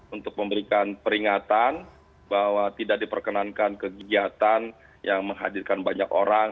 untuk memberikan peringatan bahwa tidak diperkenankan kegiatan yang menghadirkan banyak orang